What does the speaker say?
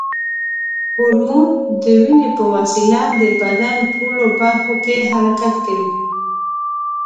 هورمون د وینې په وسیله د بدن ټولو برخو کې حرکت کوي.